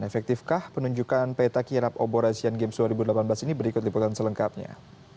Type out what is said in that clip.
efektifkah penunjukan peta kirap obor asian games dua ribu delapan belas ini berikut liputan selengkapnya